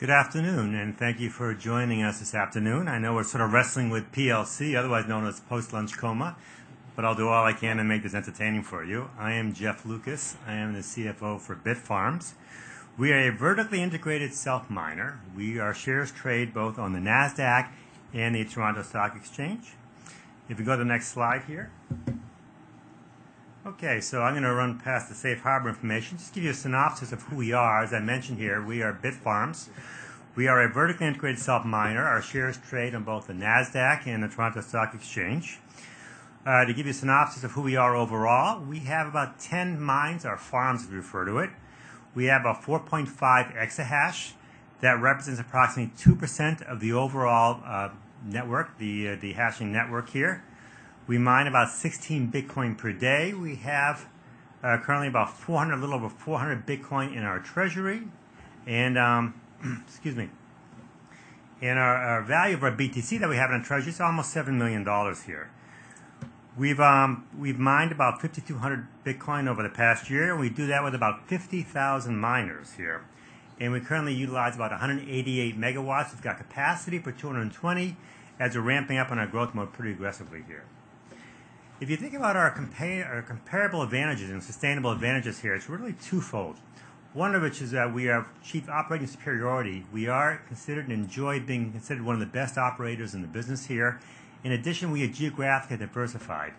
Good afternoon. Thank you for joining us this afternoon. I know we're sort of wrestling with PLC, otherwise known as post-lunch coma, but I'll do all I can to make this entertaining for you. I am Jeff Lucas. I am the CFO for Bitfarms. We are a vertically integrated self-miner. Our shares trade both on the Nasdaq and the Toronto Stock Exchange. If you go to the next slide here. Okay, I'm gonna run past the safe harbor information. Just to give you a synopsis of who we are. As I mentioned here, we are Bitfarms. We are a vertically integrated self-miner. Our shares trade on both the Nasdaq and the Toronto Stock Exchange. To give you a synopsis of who we are overall, we have about 10 mines or farms, we refer to it. We have a 4.5 exahash that represents approximately 2% of the overall network, the hashing network here. We mine about 16 Bitcoin per day. We have currently about a little over 400 Bitcoin in our treasury. Excuse me. Our value of our BTC that we have in our treasury is almost $7 million here. We've mined about 5,200 Bitcoin over the past year, and we do that with about 50,000 miners here. We currently utilize about 188 megawatts. We've got capacity for 220 as we're ramping up on our growth mode pretty aggressively here. If you think about our comparable advantages and sustainable advantages here, it's really twofold. One of which is that we have cheap operating superiority. We are considered and enjoy being considered one of the best operators in the business here. In addition, we are geographically diversified,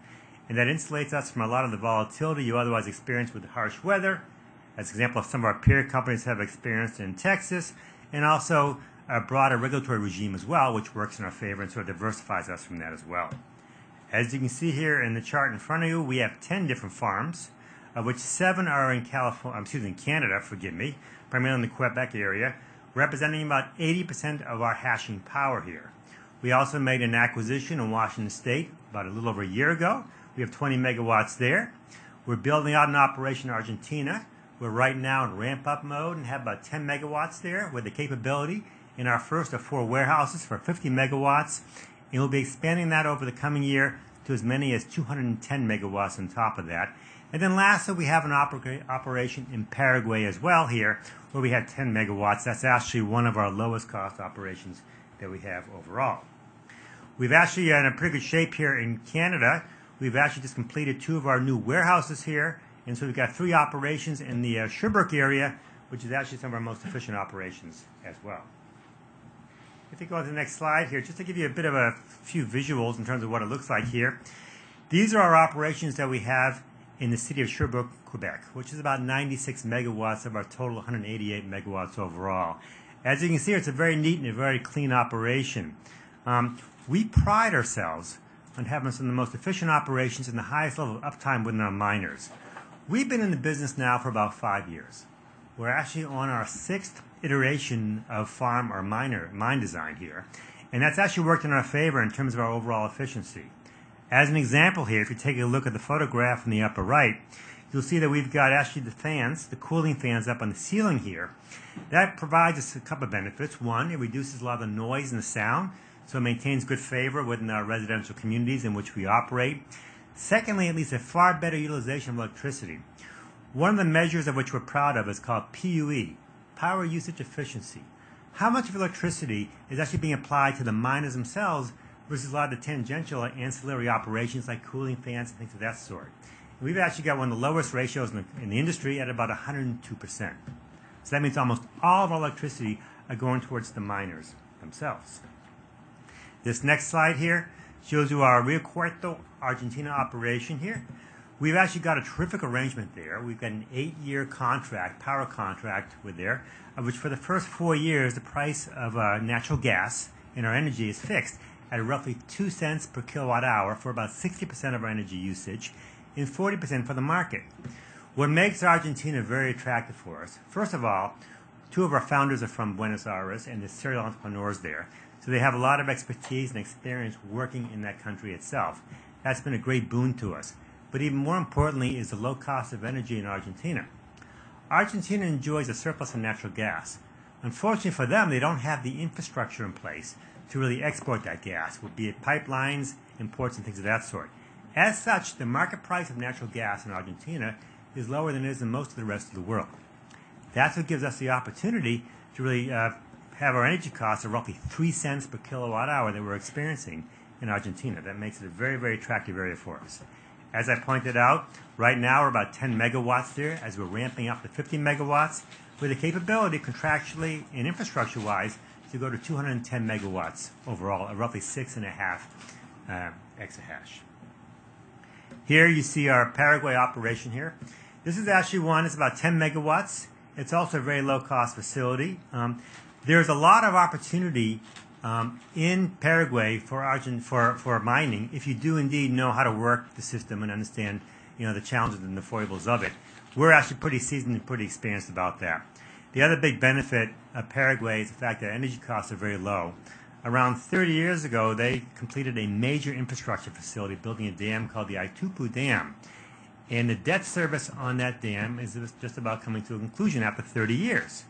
and that insulates us from a lot of the volatility you otherwise experience with the harsh weather. As an example of some of our peer companies have experienced in Texas, and also a broader regulatory regime as well, which works in our favor and sort of diversifies us from that as well. As you can see here in the chart in front of you, we have 10 different farms, of which 7 are in Canada, primarily in the Quebec area, representing about 80% of our hashing power here. We also made an acquisition in Washington State about a little over a year ago. We have 20 megawatts there. We're building out an operation in Argentina. We're right now in ramp-up mode and have about 10 megawatts there with the capability in our first of 4 warehouses for 50 megawatts. We'll be expanding that over the coming year to as many as 210 megawatts on top of that. Lastly, we have an operation in Paraguay as well here, where we have 10 megawatts. That's actually one of our lowest cost operations that we have overall. We've actually are in a pretty good shape here in Canada. We've actually just completed 2 of our new warehouses here. We've got 3 operations in the Sherbrooke area, which is actually some of our most efficient operations as well. If you go to the next slide here, just to give you a bit of a few visuals in terms of what it looks like here. These are our operations that we have in the city of Sherbrooke, Quebec, which is about 96 megawatts of our total 188 megawatts overall. As you can see, it's a very neat and a very clean operation. We pride ourselves on having some of the most efficient operations and the highest level of uptime within our miners. We've been in the business now for about 5 years. We're actually on our 6th iteration of farm or miner, mine design here. That's actually worked in our favor in terms of our overall efficiency. As an example here, if you take a look at the photograph in the upper right, you'll see that we've got actually the fans, the cooling fans up on the ceiling here. That provides us a couple of benefits. It reduces a lot of the noise and the sound, it maintains good favor within our residential communities in which we operate. Secondly, it leads to far better utilization of electricity. One of the measures of which we're proud of is called PUE, Power Usage Effectiveness. How much of electricity is actually being applied to the miners themselves versus a lot of the tangential ancillary operations like cooling fans and things of that sort? We've actually got one of the lowest ratios in the industry at about 102%. That means almost all of our electricity are going towards the miners themselves. This next slide here shows you our Rio Cuarto, Argentina operation here. We've actually got a terrific arrangement there. We've got an eight-year contract, power contract with there, of which for the first four years, the price of natural gas in our energy is fixed at roughly $0.02 per kilowatt-hour for about 60% of our energy usage and 40% for the market. What makes Argentina very attractive for us, first of all, two of our founders are from Buenos Aires and they're serial entrepreneurs there. They have a lot of expertise and experience working in that country itself. That's been a great boon to us. Even more importantly is the low cost of energy in Argentina. Argentina enjoys a surplus in natural gas. Unfortunately for them, they don't have the infrastructure in place to really export that gas, would be it pipelines, imports, and things of that sort. As such, the market price of natural gas in Argentina is lower than it is in most of the rest of the world. That's what gives us the opportunity to really have our energy costs of roughly $0.03 per kWh that we're experiencing in Argentina. That makes it a very attractive area for us. As I pointed out, right now we're about 10 MW there as we're ramping up to 15 MW with the capability contractually and infrastructure-wise to go to 210 MW overall at roughly 6.5 EH. Here you see our Paraguay operation here. This is actually one, it's about 10 MW. It's also a very low-cost facility. There's a lot of opportunity in Paraguay for mining if you do indeed know how to work the system and understand, you know, the challenges and the foibles of it. We're actually pretty seasoned and pretty experienced about that. The other big benefit of Paraguay is the fact that energy costs are very low. Around 30 years ago, they completed a major infrastructure facility building a dam called the Itaipu Dam. The debt service on that dam is just about coming to a conclusion after 30 years.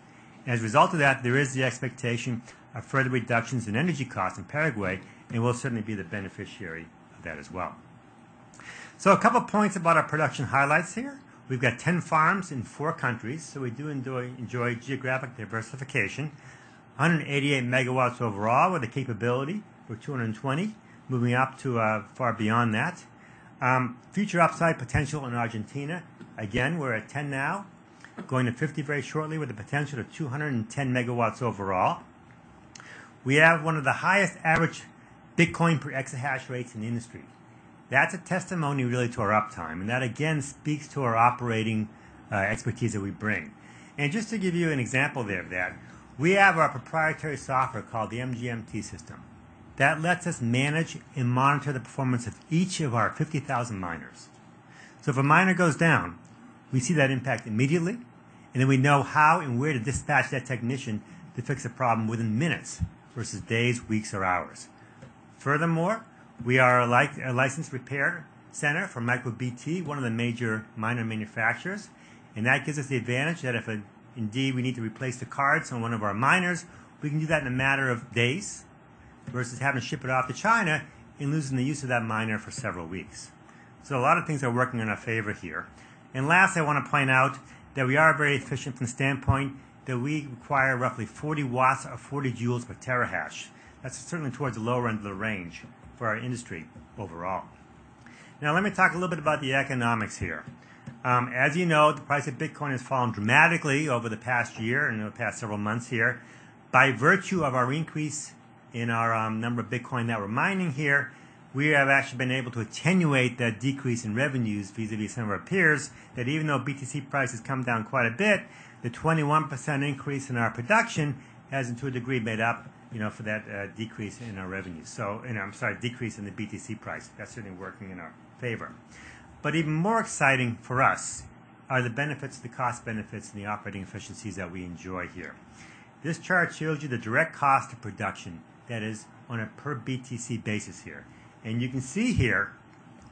As a result of that, there is the expectation of further reductions in energy costs in Paraguay, and we'll certainly be the beneficiary of that as well. A couple points about our production highlights here. We've got 10 farms in four countries, so we do enjoy geographic diversification. 188 megawatts overall with the capability for 220, moving up to far beyond that. Future upside potential in Argentina. Again, we're at 10 now, going to 50 very shortly with the potential of 210 megawatts overall. We have one of the highest average bitcoin per exahash rates in the industry. That's a testimony really to our uptime, and that again speaks to our operating expertise that we bring. Just to give you an example there of that, we have our proprietary software called the MGMT System. That lets us manage and monitor the performance of each of our 50,000 miners. If a miner goes down, we see that impact immediately, and then we know how and where to dispatch that technician to fix the problem within minutes versus days, weeks, or hours. We are a licensed repair center for MicroBT, one of the major miner manufacturers, and that gives us the advantage that if, indeed we need to replace the cards on one of our miners, we can do that in a matter of days versus having to ship it off to China and losing the use of that miner for several weeks. A lot of things are working in our favor here. Last, I wanna point out that we are very efficient from the standpoint that we require roughly 40 watts or 40 joules per terahash. That's certainly towards the lower end of the range for our industry overall. Let me talk a little bit about the economics here. As you know, the price of Bitcoin has fallen dramatically over the past year and over the past several months here. By virtue of our increase in our number of Bitcoin that we're mining here, we have actually been able to attenuate that decrease in revenues vis-à-vis some of our peers, that even though BTC price has come down quite a bit, the 21% increase in our production has, to a degree, made up, you know, for that decrease in our revenue. I'm sorry, decrease in the BTC price. That's certainly working in our favor. Even more exciting for us are the benefits, the cost benefits, and the operating efficiencies that we enjoy here. This chart shows you the direct cost of production that is on a per BTC basis here. You can see here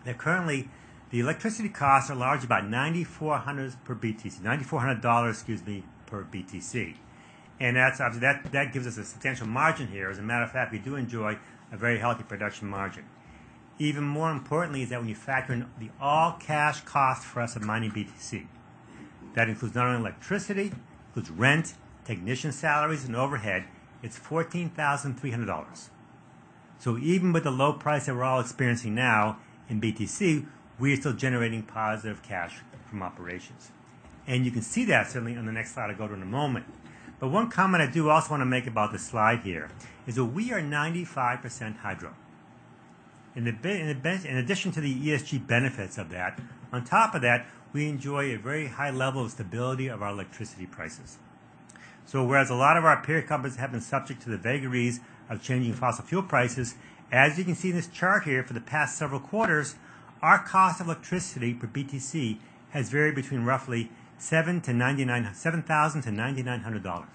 that currently the electricity costs are large, about $9,400 per BTC. $9,400, excuse me, per BTC. That's obviously that gives us a substantial margin here. As a matter of fact, we do enjoy a very healthy production margin. Even more importantly is that when you factor in the all-cash cost for us of mining BTC, that includes not only electricity, includes rent, technician salaries, and overhead, it's $14,300. Even with the low price that we're all experiencing now in BTC, we are still generating positive cash from operations. You can see that certainly on the next slide I'll go to in a moment. One comment I do also wanna make about this slide here is that we are 95% hydro. In addition to the ESG benefits of that, on top of that, we enjoy a very high level of stability of our electricity prices. Whereas a lot of our peer companies have been subject to the vagaries of changing fossil fuel prices, as you can see in this chart here, for the past several quarters, our cost of electricity per BTC has varied between roughly $7,000-$9,900.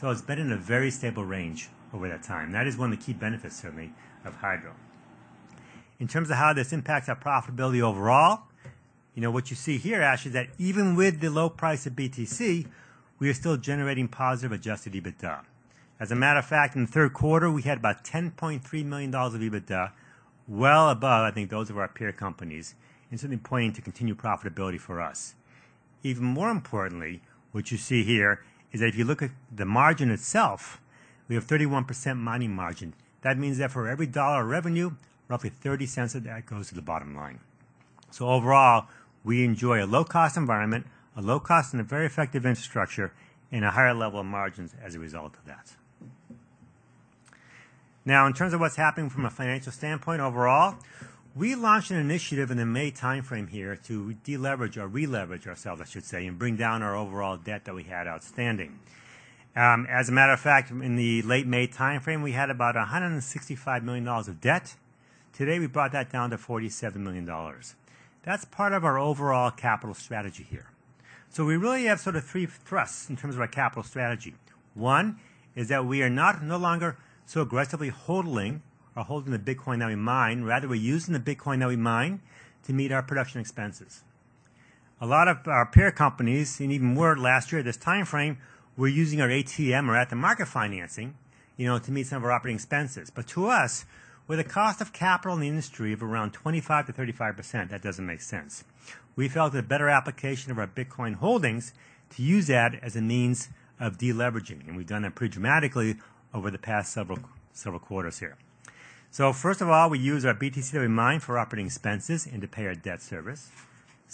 It's been in a very stable range over that time. That is one of the key benefits certainly of hydro. In terms of how this impacts our profitability overall, you know what you see here actually is that even with the low price of BTC, we are still generating positive adjusted EBITDA. As a matter of fact, in the third quarter, we had about $10.3 million of EBITDA, well above I think those of our peer companies, and certainly pointing to continued profitability for us. Even more importantly, what you see here is that if you look at the margin itself, we have 31% mining margin. That means that for every dollar of revenue, roughly $0.30 of that goes to the bottom line. Overall, we enjoy a low-cost environment, a low cost and a very effective infrastructure, and a higher level of margins as a result of that. Now in terms of what's happening from a financial standpoint overall, we launched an initiative in the May timeframe here to deleverage or re-leverage ourselves, I should say, and bring down our overall debt that we had outstanding. As a matter of fact, in the late May timeframe, we had about $165 million of debt. Today, we brought that down to $47 million. That's part of our overall capital strategy here. We really have sort of three thrusts in terms of our capital strategy. One is that we are no longer so aggressively HODLing or holding the Bitcoin that we mine. We're using the Bitcoin that we mine to meet our production expenses. A lot of our peer companies, and even more last year at this timeframe, were using our ATM or at-the-market financing, you know, to meet some of our operating expenses. To us, with the cost of capital in the industry of around 25%-35%, that doesn't make sense. We felt a better application of our Bitcoin holdings to use that as a means of deleveraging, and we've done that pretty dramatically over the past several quarters here. First of all, we use our BTC that we mine for operating expenses and to pay our debt service.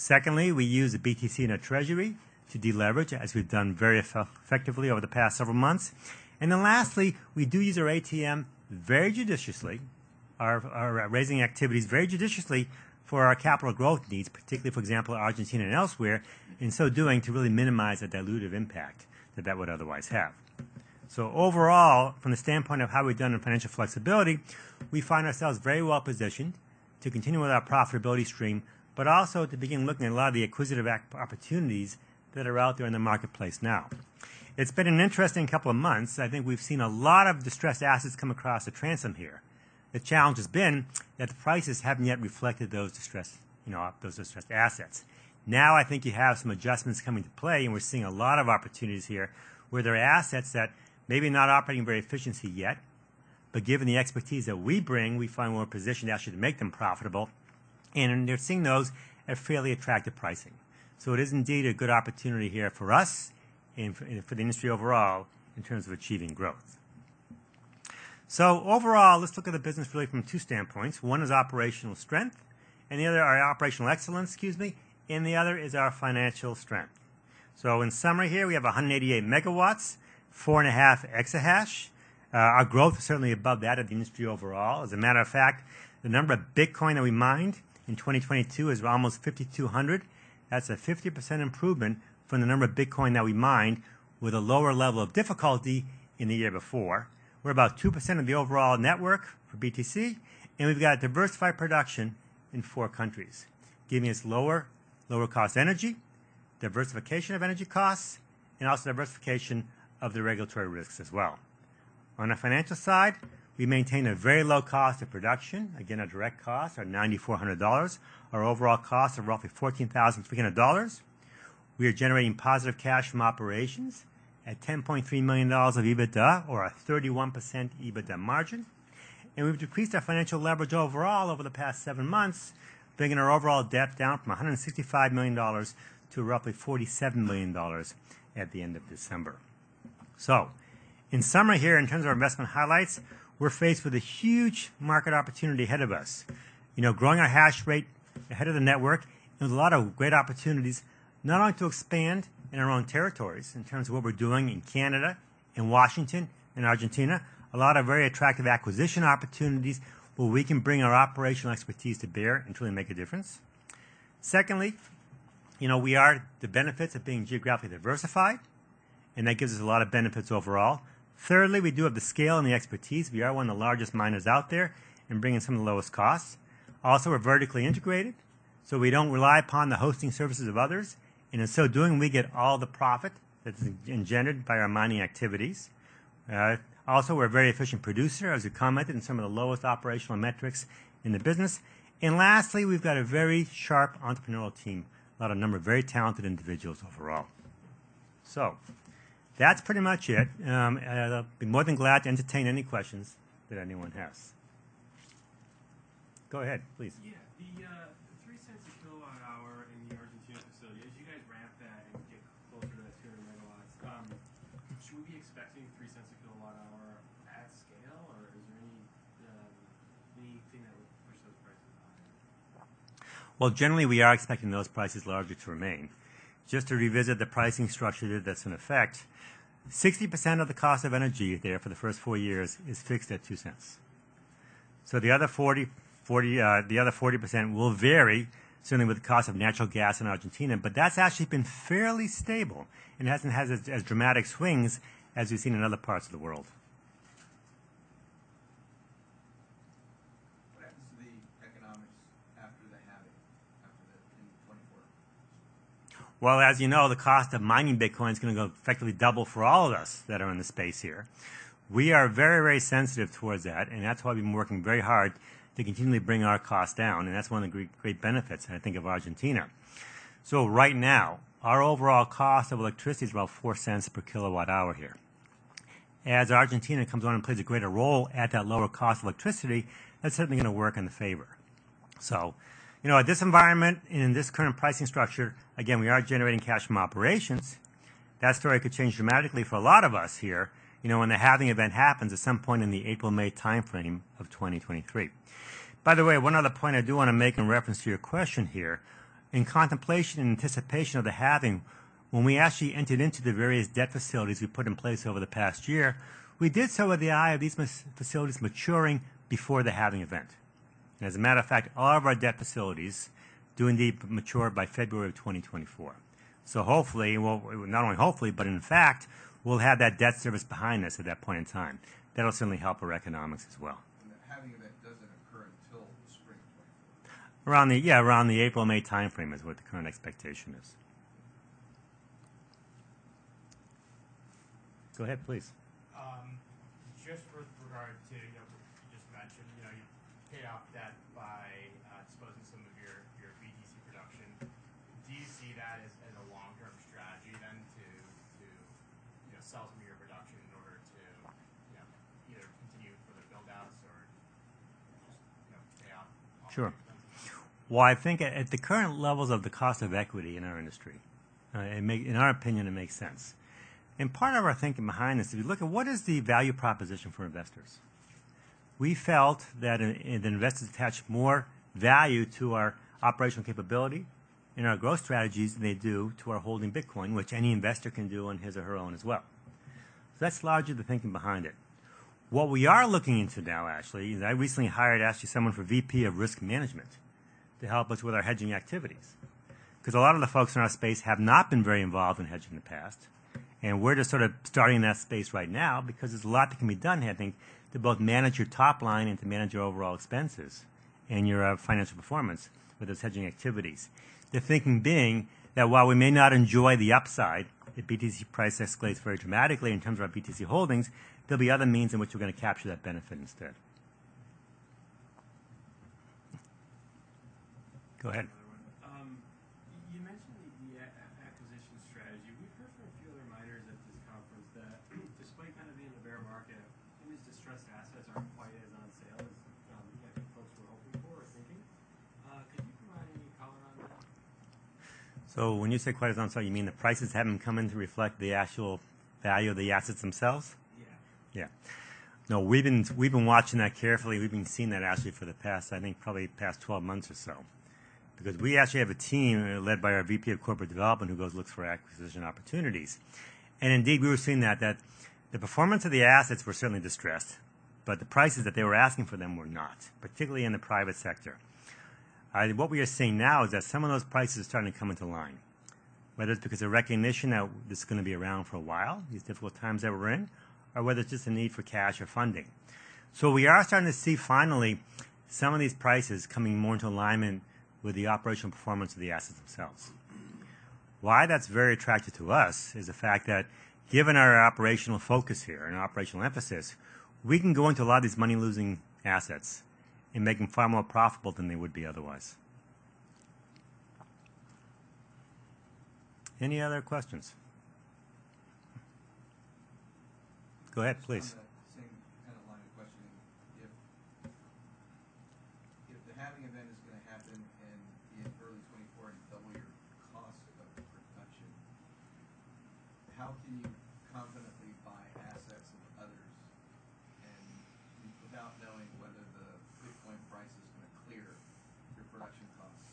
We use the BTC in our treasury to deleverage, as we've done very effectively over the past several months. Lastly, we do use our ATM very judiciously. Our raising activities very judiciously for our capital growth needs, particularly for example, Argentina and elsewhere, in so doing to really minimize the dilutive impact that that would otherwise have. Overall, from the standpoint of how we've done in financial flexibility, we find ourselves very well positioned to continue with our profitability stream, but also to begin looking at a lot of the acquisitive opportunities that are out there in the marketplace now. It's been an interesting couple of months. I think we've seen a lot of distressed assets come across the transom here. The challenge has been that the prices haven't yet reflected those distressed, you know, those distressed assets. Now I think you have some adjustments coming to play, and we're seeing a lot of opportunities here where there are assets that may be not operating very efficiently yet, but given the expertise that we bring, we find we're positioned actually to make them profitable and they're seeing those at fairly attractive pricing. It is indeed a good opportunity here for us and for the industry overall in terms of achieving growth. Overall, let's look at the business really from two standpoints. One is operational strength and the other, or operational excellence, excuse me, and the other is our financial strength. In summary here, we have 188 megawatts, 4.5 exahash. Our growth is certainly above that of the industry overall. As a matter of fact, the number of Bitcoin that we mined in 2022 is almost 5,200. That's a 50% improvement from the number of Bitcoin that we mined with a lower level of difficulty in the year before. We're about 2% of the overall network for BTC, and we've got diversified production in 4 countries, giving us lower cost energy, diversification of energy costs, and also diversification of the regulatory risks as well. On the financial side, we maintain a very low cost of production. Again, our direct costs are $9,400. Our overall costs are roughly $14,300. We are generating positive cash from operations at $10.3 million of EBITDA or a 31% EBITDA margin. We've decreased our financial leverage overall over the past seven months, bringing our overall debt down from $165 million to roughly $47 million at the end of December. In summary here, in terms of our investment highlights, we're faced with a huge market opportunity ahead of us. You know, growing our hash rate ahead of the network, there's a lot of great opportunities not only to expand in our own territories in terms of what we're doing in Canada, in Washington, in Argentina, a lot of very attractive acquisition opportunities where we can bring our operational expertise to bear and truly make a difference. Secondly, you know, we are the benefits of being geographically diversified, and that gives us a lot of benefits overall. Thirdly, we do have the scale and the expertise. We are one of the largest miners out there and bringing some of the lowest costs. We're vertically integrated, so we don't rely upon the hosting services of others, and in so doing, we get all the profit that's engendered by our mining activities. We're a very efficient producer, as you commented, and some of the lowest operational metrics in the business. Lastly, we've got a very sharp entrepreneurial team, a lot of number of very talented individuals overall. That's pretty much it. I'd be more than glad to entertain any questions that anyone has. Go ahead, please. Yeah. The 3 cents a kilowatt-hour in the Argentina facility, as you guys ramp that and get closer to that 200 megawatts, should we be expecting 3 cents a kilowatt-hour at scale or is there any, anything that would push those prices higher? Well, generally, we are expecting those prices largely to remain. Just to revisit the pricing structure that's in effect, 60% of the cost of energy there for the first 4 years is fixed at $0.02. The other 40% will vary certainly with the cost of natural gas in Argentina, but that's actually been fairly stable and hasn't had as dramatic swings as we've seen in other parts of the world. What happens to the economics after the halving, after the 2024? As you know, the cost of mining Bitcoin is gonna go effectively double for all of us that are in the space here. We are very sensitive towards that, and that's why we've been working very hard to continually bring our costs down, and that's one of the great benefits, I think, of Argentina. Right now, our overall cost of electricity is about $0.04 per kilowatt-hour here. As Argentina comes on and plays a greater role at that lower cost of electricity, that's certainly gonna work in the favor. You know, at this environment and in this current pricing structure, again, we are generating cash from operations. That story could change dramatically for a lot of us here, you know, when the halving event happens at some point in the April-May timeframe of 2023. One other point I do wanna make in reference to your question here. In contemplation and anticipation of the halving, when we actually entered into the various debt facilities we put in place over the past year, we did so with the eye of these facilities maturing before the halving event. As a matter of fact, all of our debt facilities do indeed mature by February of 2024. Hopefully, well not only hopefully, but in fact, we'll have that debt service behind us at that point in time. That'll certainly help our economics as well. The halving event doesn't occur until the spring of 2024. Yeah, around the April-May timeframe is what the current expectation is. Go ahead, please. Just with regard to, you know, you just mentioned, you know, you pay off debt by exposing some of your BTC production. Do you see that as a long-term strategy then to, you know, sell some of your production in order to, you know, either continue further build-outs or just, you know, pay off? Sure. All the debt then? Well, I think at the current levels of the cost of equity in our industry, in our opinion, it makes sense. Part of our thinking behind this, if you look at what is the value proposition for investors? We felt that the investors attach more value to our operational capability and our growth strategies than they do to our holding Bitcoin, which any investor can do on his or her own as well. That's largely the thinking behind it. What we are looking into now, actually, is I recently hired, actually, someone for VP of Risk Management to help us with our hedging activities. 'Cause a lot of the folks in our space have not been very involved in hedging in the past, and we're just sort of starting in that space right now because there's a lot that can be done, I think, to both manage your top line and to manage your overall expenses. Your financial performance with those hedging activities. The thinking being that while we may not enjoy the upside if BTC price escalates very dramatically in terms of our BTC holdings, there'll be other means in which we're gonna capture that benefit instead. Go ahead. Another one. You mentioned the acquisition strategy. We've heard from a few other miners at this conference that despite kind of being in a bear market, these distressed assets aren't quite as on sale as many folks were hoping for or thinking. Could you provide any color on that? When you say quite as on sale, you mean the prices haven't come in to reflect the actual value of the assets themselves? Yeah. No, we've been watching that carefully. We've been seeing that actually for the past, I think, probably the past 12 months or so. Because we actually have a team led by our VP of Corporate Development who goes and looks for acquisition opportunities. Indeed, we were seeing that the performance of the assets were certainly distressed, but the prices that they were asking for them were not, particularly in the private sector. What we are seeing now is that some of those prices are starting to come into line, whether it's because of recognition that this is gonna be around for a while, these difficult times that we're in, or whether it's just the need for cash or funding. We are starting to see finally some of these prices coming more into alignment with the operational performance of the assets themselves. Why that's very attractive to us is the fact that given our operational focus here and operational emphasis, we can go into a lot of these money-losing assets and make them far more profitable than they would be otherwise. Any other questions? Go ahead, please. Just on that same kind of line of questioning. If the halving event is gonna happen in early 2024 and double your cost of production, how can you confidently buy assets from others without knowing whether the Bitcoin price is gonna clear your production costs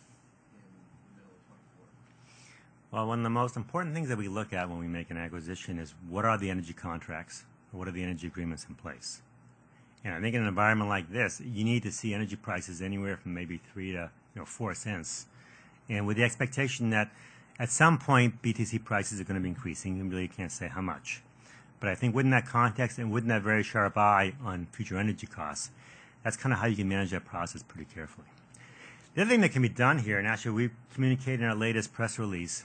in the middle of 2024? Well, one of the most important things that we look at when we make an acquisition is what are the energy contracts or what are the energy agreements in place. I think in an environment like this, you need to see energy prices anywhere from maybe $0.03-$0.04, and with the expectation that at some point BTC prices are gonna be increasing. We really can't say how much. I think within that context and with that very sharp eye on future energy costs, that's kinda how you can manage that process pretty carefully. The other thing that can be done here, and actually we communicated in our latest press release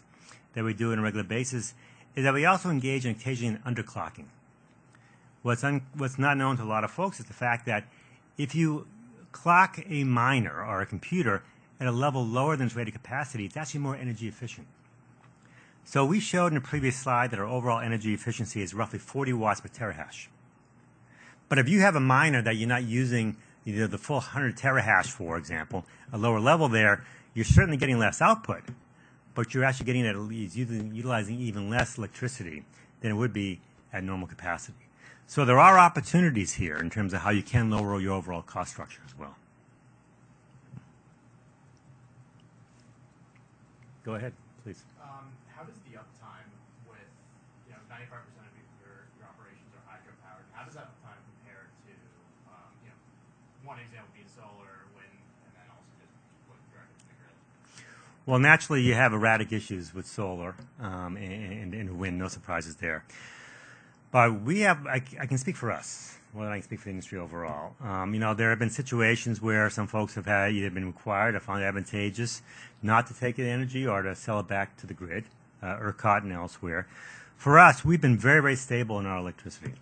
that we do on a regular basis, is that we also engage occasionally in underclocking. What's not known to a lot of folks is the fact that if you clock a miner or a computer at a level lower than its rated capacity, it's actually more energy efficient. We showed in a previous slide that our overall energy efficiency is roughly 40 watts per terahash. If you have a miner that you're not using, you know, the full 100 terahash, for example, a lower level there, you're certainly getting less output, but you're actually getting it at least utilizing even less electricity than it would be at normal capacity. There are opportunities here in terms of how you can lower your overall cost structure as well. Go ahead, please. How does the uptime with, you know, 95% of your operations are hydro-powered, how does that uptime compare to, you know, one example being solar or wind, and then also just what you're able to figure out? Naturally, you have erratic issues with solar and wind. No surprises there. I can speak for us more than I can speak for the industry overall. You know, there have been situations where some folks have either been required or found it advantageous not to take in energy or to sell it back to the grid or caught elsewhere. For us, we've been very, very stable in our electricity.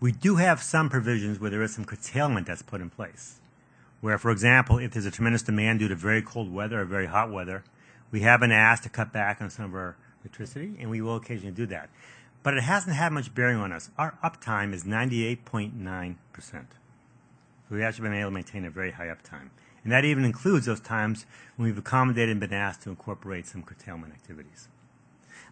We do have some provisions where there is some curtailment that's put in place, where, for example, if there's a tremendous demand due to very cold weather or very hot weather, we have been asked to cut back on some of our electricity, and we will occasionally do that. It hasn't had much bearing on us. Our uptime is 98.9%. We've actually been able to maintain a very high uptime. That even includes those times when we've accommodated and been asked to incorporate some curtailment activities.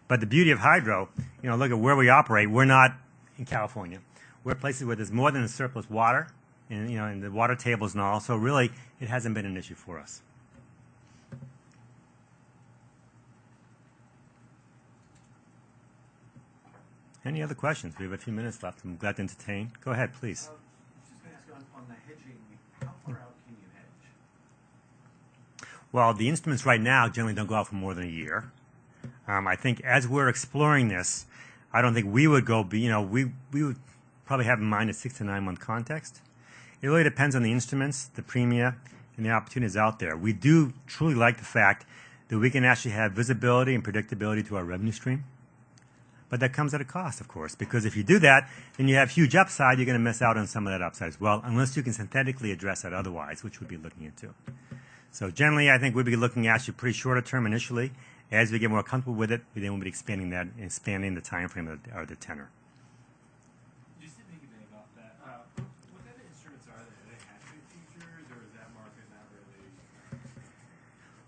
The beauty of hydro, you know, look at where we operate, we're not in California. We're in places where there's more than a surplus water and, you know, and the water table is null, really, it hasn't been an issue for us. Any other questions? We have a few minutes left, we're glad to entertain. Go ahead, please. I was just gonna ask you on the hedging. How far out can you hedge? The instruments right now generally don't go out for more than 1 year. I think as we're exploring this, I don't think we would You know, we would probably have in mind a 6-9 month context. It really depends on the instruments, the premia, and the opportunities out there. We do truly like the fact that we can actually have visibility and predictability to our revenue stream. That comes at a cost, of course, because if you do that, then you have huge upside, you're gonna miss out on some of that upside as well, unless you can synthetically address that otherwise, which we'll be looking into. Generally, I think we'll be looking at actually pretty shorter term initially. As we get more comfortable with it, we then will be expanding that and expanding the timeframe or the tenor. Just to piggyback off that. What kind of instruments are they? Are they hash rate futures, or is that market not really-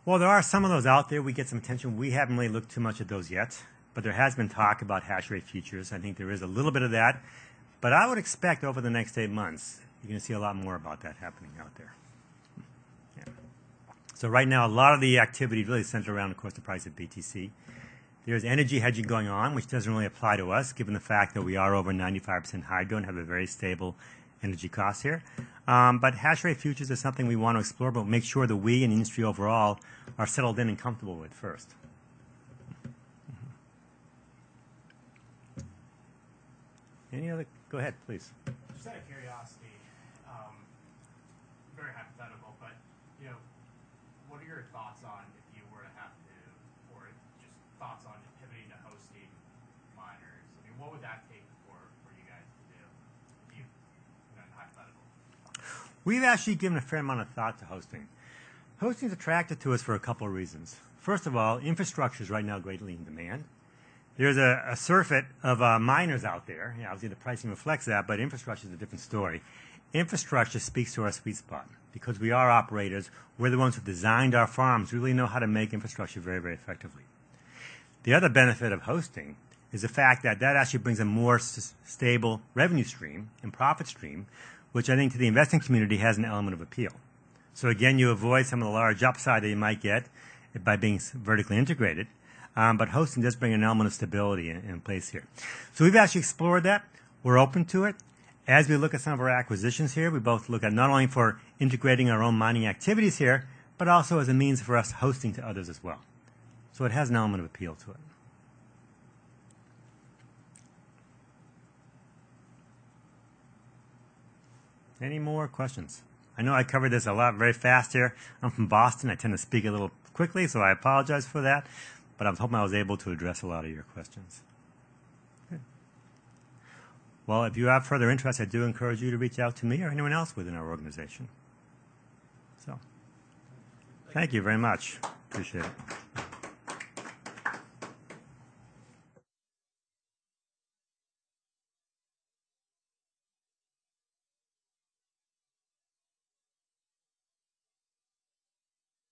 Well, there are some of those out there. We get some attention. We haven't really looked too much at those yet, but there has been talk about hash rate futures. I think there is a little bit of that. I would expect over the next 8 months, you're gonna see a lot more about that happening out there. Yeah. Right now, a lot of the activity really centers around, of course, the price of BTC. There's energy hedging going on, which doesn't really apply to us given the fact that we are over 95% hydro and have a very stable energy cost here. Hash rate futures is something we want to explore, but make sure that we and the industry overall are settled in and comfortable with first. Go ahead, please. Just out of curiosity, very hypothetical, but, you know, what are your thoughts on if you were to have to, or just thoughts on committing to hosting miners? I mean, what would that take for you guys to do if you know, in a hypothetical? We've actually given a fair amount of thought to hosting. Hosting is attractive to us for a couple of reasons. First of all, infrastructure is right now greatly in demand. There's a surfeit of miners out there. You know, obviously, the pricing reflects that, but infrastructure is a different story. Infrastructure speaks to our sweet spot because we are operators. We're the ones who designed our farms. We really know how to make infrastructure very, very effectively. The other benefit of hosting is the fact that that actually brings a more stable revenue stream and profit stream, which I think to the investing community has an element of appeal. Again, you avoid some of the large upside that you might get by being vertically integrated. Hosting does bring an element of stability in place here. We've actually explored that. We're open to it. As we look at some of our acquisitions here, we both look at not only for integrating our own mining activities here, but also as a means for us hosting to others as well. It has an element of appeal to it. Any more questions? I know I covered this a lot very fast here. I'm from Boston. I tend to speak a little quickly, so I apologize for that, but I'm hoping I was able to address a lot of your questions. Okay. Well, if you have further interest, I do encourage you to reach out to me or anyone else within our organization. Thank you very much. Appreciate it.